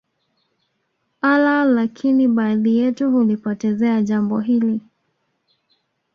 Allah lakini baadhi yetu hulipotezea Jambo hili